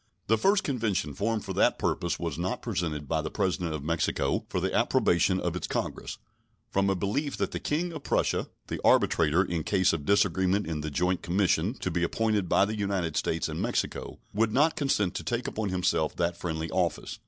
The first convention formed for that purpose was not presented by the President of Mexico for the approbation of its Congress, from a belief that the King of Prussia, the arbitrator in case of disagreement in the joint commission to be appointed by the United States and Mexico, would not consent to take upon himself that friendly office.